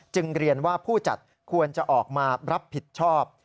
เรียนว่าผู้จัดควรจะออกมารับผิดชอบ